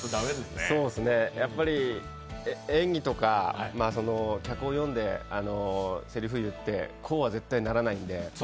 やっぱり演技とか、脚本を読んでせりふ言って、こうは絶対ならないんで